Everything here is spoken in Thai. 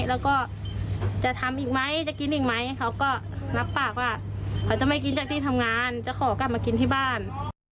แล้วก็จะทำอีกไหมจะกินอีกไหมเขาก็รับปากว่าเขาจะไม่กินจากที่ทำงานจะขอกลับมากินที่บ้าน